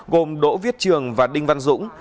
gồm đỗ viết trường và đinh văn dũng